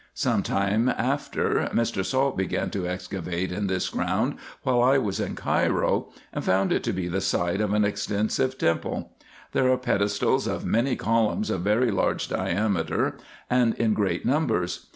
Some time after Mr. Salt began to excavate in tins ground while I was in Cairo, and found it to be the site of an extensive temple. There are pedestals of many columns of very large diameter and in great numbers.